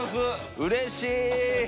うれしい！